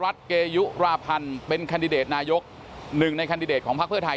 กรกตกลางได้รับรายงานผลนับคะแนนจากทั่วประเทศมาแล้วร้อยละ๔๕๕๔พักการเมืองที่มีแคนดิเดตนายกคนสำคัญ